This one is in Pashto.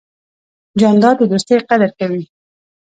جانداد د دوستۍ قدر کوي.